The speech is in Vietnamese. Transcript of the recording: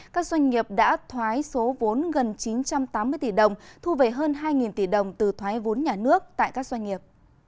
các doanh nghiệp đã thoái số vốn gần chín trăm tám mươi tỷ đồng thu về hơn hai tỷ đồng từ thoái vốn nhà nước tại các doanh nghiệp